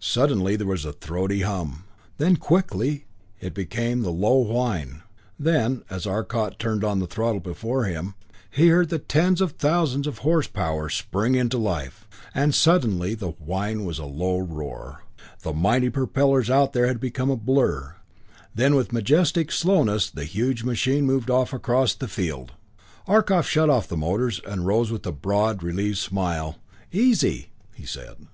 Suddenly there was a throaty hum; then quickly it became the low whine; then, as Arcot turned on the throttle before him, he heard the tens of thousands of horsepower spring into life and suddenly the whine was a low roar the mighty propellers out there had became a blur then with majestic slowness the huge machine moved off across the field! Arcot shut off the motors and rose with a broad, relieved smile, "Easy!" he said.